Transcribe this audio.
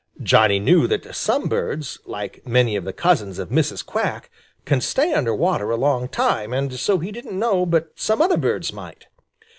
Johnny knew that some birds, like many of the cousins of Mrs. Quack, can stay under water a long time, and so he didn't know but some other birds might.